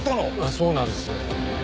そうなんですよ。